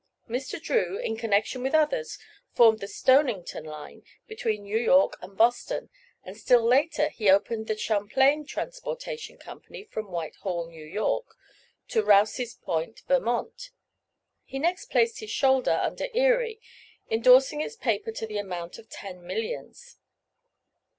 Mr. Drew, in connection with others, formed the "Stonington Line" between New York and Boston, and still later he opened the "Champlain Transportation Company" from White Hall, New York, to Rouses Point, Vermont. He next placed his shoulder under Erie, endorsing its paper to the amount of ten millions.